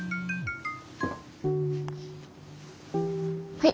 はい。